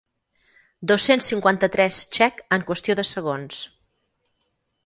Dos-cents cinquanta-tres txec en qüestió de segons.